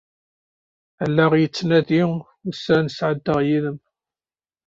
Allaɣ yettnadi, ussan sɛeddaɣ yid-m.